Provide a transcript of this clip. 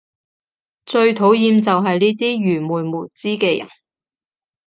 最討厭就係呢啲愚昧無知嘅人